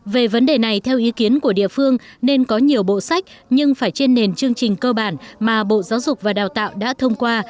về vấn đề này theo ý kiến của địa phương nên có nhiều bộ sách nhưng phải trên nền chương trình cơ bản mà bộ giáo dục và đào tạo đã thông qua